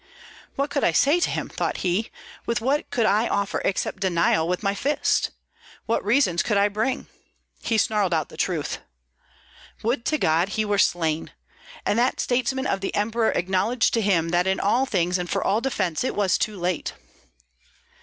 "What could I say to him?" thought he; "with what could I offer denial except with my fist? What reasons could I bring? He snarled out the truth. Would to God he were slain! And that statesman of the emperor acknowledged to him that in all things and for all defence it was too late."